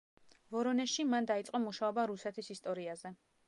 ვორონეჟში მან დაიწყო მუშაობა „რუსეთის ისტორიაზე“.